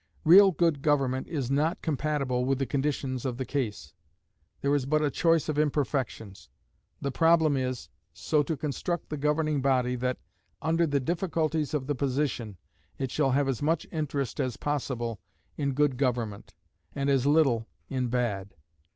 Real good government is not compatible with the conditions of the case. There is but a choice of imperfections. The problem is, so to construct the governing body that, under the difficulties of the position, it shall have as much interest as possible in good government, and as little in bad.